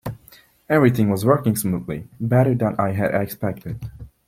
Everything was working smoothly, better than I had expected.